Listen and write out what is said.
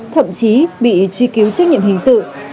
thậm chí bị truy cứu trách nhiệm hình sự